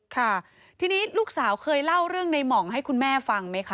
ค่ะทีนี้ลูกสาวเคยเล่าเรื่องในหม่องให้คุณแม่ฟังไหมคะ